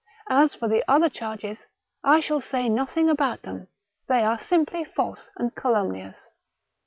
— As for the other charges, I shall say no thing about them, they are simply false and calum nious."